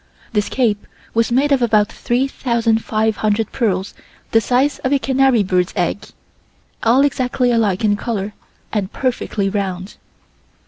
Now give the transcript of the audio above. This cape was made of about three thousand five hundred pearls the size of a canary bird's egg, all exactly alike in color and perfectly round.